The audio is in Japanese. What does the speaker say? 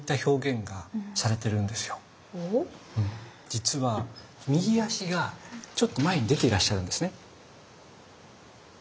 実は右足がちょっと前に出ていらっしゃるんですね。